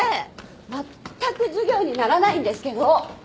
まったく授業にならないんですけど！